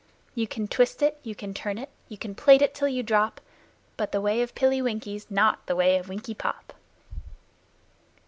You can twist it, you can turn it, you can plait it till you drop, But the way of Pilly Winky's not the way of Winkie Pop!